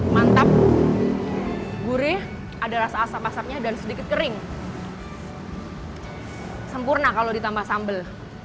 mantap gurih ada rasa asap asap nya dan sedikit kering sempurna kalau ditambah sambel